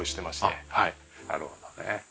あっなるほどね。